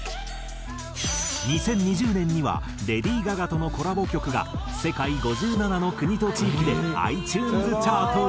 ２０２０年にはレディー・ガガとのコラボ曲が世界５７の国と地域でｉＴｕｎｅｓチャート１位。